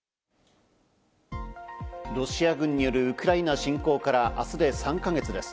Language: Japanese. ロシア軍によるウクライナ侵攻から明日で３か月です。